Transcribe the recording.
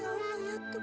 ya allah ya tuhan